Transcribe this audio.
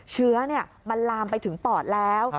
เชื้อมันลามไปถึงปอดแล้ว